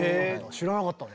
知らなかったね。